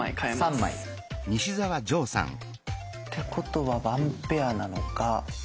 ３枚。ってことはワンペアなのか？